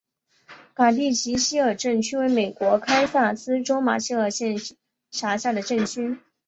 卡蒂奇希尔镇区为美国堪萨斯州马歇尔县辖下的镇区。